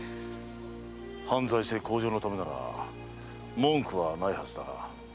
藩財政向上のためなら文句はないはずだが。